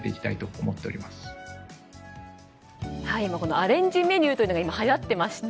アレンジメニューというのが今、はやっていまして。